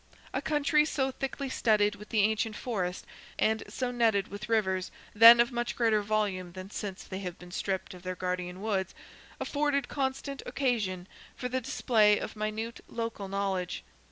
A country so thickly studded with the ancient forest, and so netted with rivers (then of much greater volume than since they have been stripped of their guardian woods), afforded constant occasion for the display of minute local knowledge.